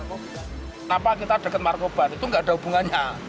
kenapa kita dekat markobar itu tidak ada hubungannya